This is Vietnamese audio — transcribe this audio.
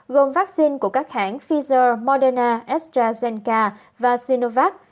gồm vaccine của các hãng pfizer moderna strazenka và sinovac